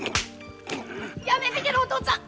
やめてけろお父っつぁん！